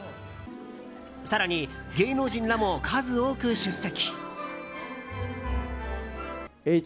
更に、芸能人らも数多く出席。